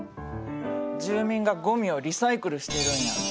住民がゴミをリサイクルしてるんや。